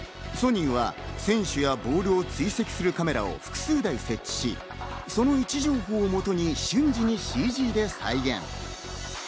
ソニーは選手やボールを追跡するカメラを複数台設置し、この位置情報をもとに瞬時にＣＧで再現。